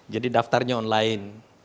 jadi daftarnya online